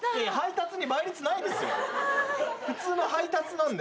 普通の配達なんで。